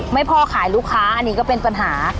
พ่อขายลูกค้าอันนี้ก็เป็นปัญหา